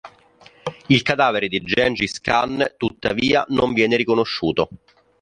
Il cadavere di Gengis Khan tuttavia non viene riconosciuto.